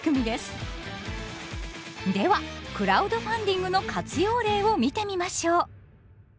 ではクラウドファンディングの活用例を見てみましょう。